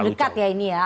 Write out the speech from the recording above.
terlalu dekat ya ini ya